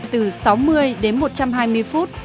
từ sáu mươi đến một trăm hai mươi phút